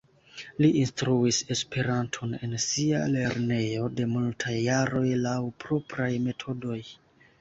Li instruis Esperanton en sia lernejo de multaj jaroj laŭ propraj metodoj.